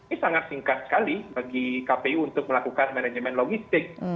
ini sangat singkat sekali bagi kpu untuk melakukan manajemen logistik